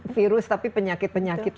virus tapi penyakit penyakit